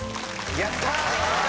やったー。